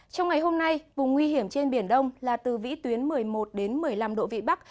trong ngày hôm nay vùng nguy hiểm trên biển đông là từ vĩ tuyến một mươi một đến một mươi năm độ vị bắc